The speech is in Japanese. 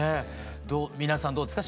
皆さんどうですか？